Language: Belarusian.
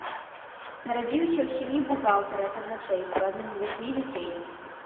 Нарадзіўся ў сям'і бухгалтара казначэйства, адным з васьмі дзяцей.